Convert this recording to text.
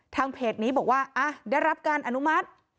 เพจนี้บอกว่าได้รับการอนุมัติ